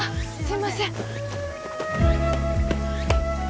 すいません